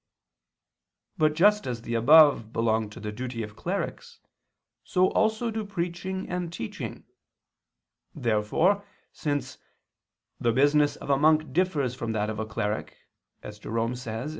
But just as the above belong to the duty of clerics, so also do preaching and teaching. Therefore since "the business of a monk differs from that of a cleric," as Jerome says (Ep.